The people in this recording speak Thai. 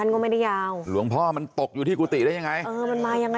อันนี้คือภาพปัจจุบันนะค่ะย้อนไปดูอดีตนิดนึง